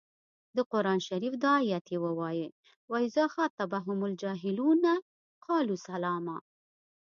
د قران شریف دا ایت یې ووايه و اذا خاطبهم الجاهلون قالو سلاما.